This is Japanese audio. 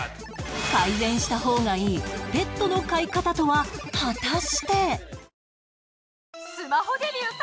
改善した方がいいペットの飼い方とは果たして